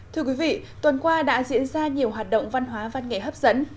thưa quý vị tuần qua đã diễn ra nhiều hoạt động văn hóa văn nghệ hấp dẫn